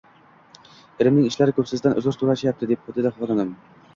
«Erimning ishlari ko‘p, sizdan uzr so‘ryapti», — dedi xonim.